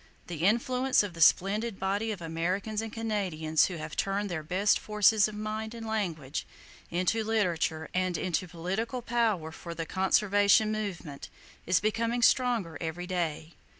The influence of the splendid body of Americans and Canadians who have turned their best forces of mind and language into literature and into political power for the conservation movement, is becoming stronger every day.